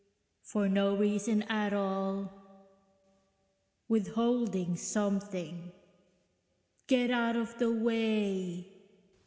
for no reason at all ... withholding something ... get out of the way....)